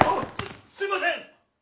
すすいません！